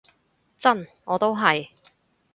真，我都係